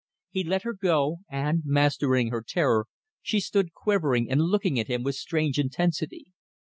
He let her go, and, mastering her terror, she stood quivering and looking at him with strange intensity.